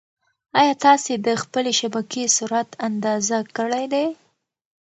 ایا تاسي د خپلې شبکې سرعت اندازه کړی دی؟